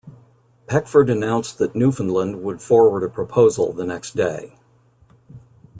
Peckford announced that Newfoundland would forward a proposal the next day.